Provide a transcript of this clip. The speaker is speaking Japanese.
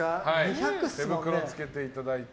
手袋をつけていただいて。